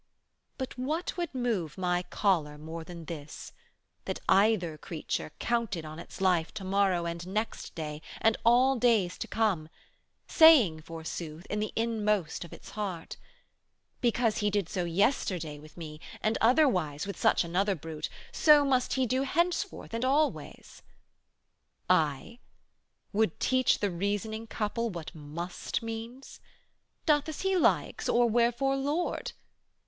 But what would move my choler more than this, That either creature counted on its life Tomorrow and next day and all days to come, Saying, forsooth, in the inmost of its heart, 235 "Because he did so yesterday with me, And otherwise with such another brute, So must he do henceforth and always." Aye? Would teach the reasoning couple what "must" means! 'Doth as he likes, or wherefore Lord?